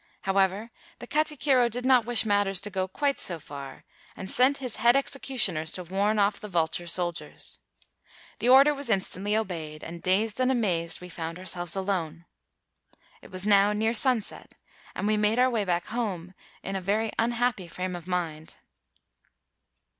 However, the katikiro did not wish matters to go quite so far, and sent his head executioners to warn off the vulture soldiers. The order was instantly obeyed, and dazed and amazed we found ourselves alone. It was now near 210 THREE BOY HEROES sunset and we made our way back home in a very unhappy frame of mind."